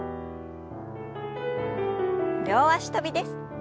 両脚跳びです。